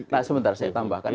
nah sebentar saya tambahkan